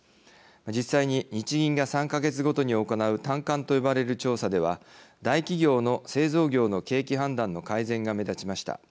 実際に日銀が３か月ごとに行う短観と呼ばれる調査では大企業の製造業の景気判断の改善が目立ちました。